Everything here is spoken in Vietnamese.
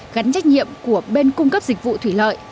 gắn trách nhiệm của bên cung cấp dịch vụ thủy lợi